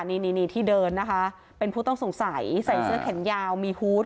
นี่ที่เดินนะคะเป็นผู้ต้องสงสัยใส่เสื้อแขนยาวมีฮูต